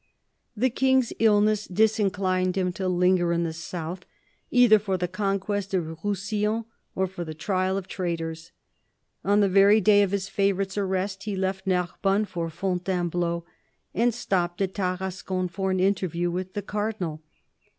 The King's illness disinclined him to linger in the south, either for the conquest of Roussillon or for the trial of traitors. On the very day of his favourite's arrest he left Narbonne for Fontainebleau, and stopped at Tarascon for an interview with the Cardinal.